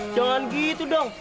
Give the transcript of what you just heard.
jangan gitu dong